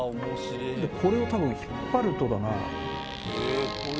これをたぶん引っ張るとだな。